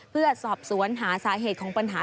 เพื่อสอบสวนหาสาเหตุของปัญหา